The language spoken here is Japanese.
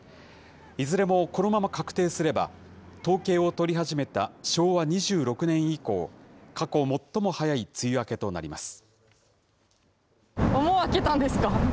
いずれもこのまま確定すれば、統計を取り始めた昭和２６年以降、過去最も早い梅雨明けとなります。